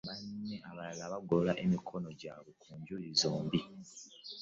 Banne abalala bonna bagolola emikono gyabwe ku njuyi zombi.